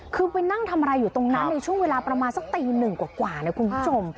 คือไปนั่งทำอะไรอยู่ตรงนั้นในช่วงเวลาประมาณสักตีหนึ่งกว่านะคุณผู้ชม